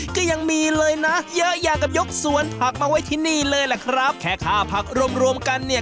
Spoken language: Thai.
ก็ยังมีเลยนะเยอะอย่างกับยกสวนผักมาไว้ที่นี่เลยแหละครับแค่ค่าผักรวมรวมกันเนี่ย